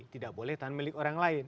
tidak boleh di tanah milik orang lain